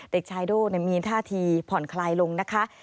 เด็กชายโด่มีท่าทีผ่อนคลายลงนะคะ